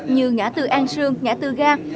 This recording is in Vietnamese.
như ngã tư an sương ngã tư ga